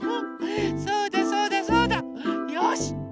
そうだそうだそうだ。よし！